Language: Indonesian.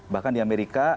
bahkan di amerika